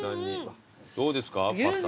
どうですか？